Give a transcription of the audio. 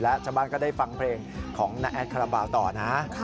และชาวบ้านก็ได้ฟังเพลงของน้าแอดคาราบาลต่อนะ